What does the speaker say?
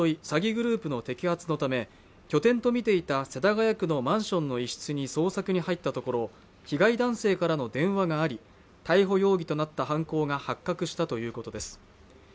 詐欺グループの摘発のため拠点と見ていた世田谷区のマンションの一室に捜索に入ったところ被害男性からの電話があり逮捕容疑となった犯行が発覚したということです